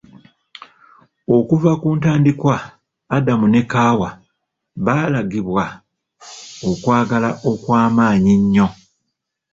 Okuva ku ntandikwa Adamu ne Kaawa baalagibwa okwagala okw'amaanyi ennyo.